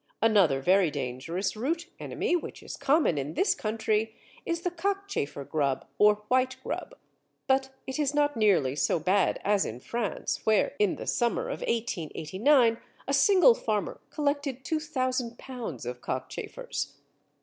Another very dangerous root enemy, which is common in this country, is the Cockchafer grub or Whitegrub. (But it is not nearly so bad as in France, where in the summer of 1889, a single farmer collected 2000 lb. of Cockchafers.)